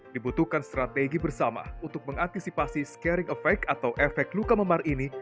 dibutuhkan strategi bersama untuk mengantisipasi scaring effect atau efek luka memar ini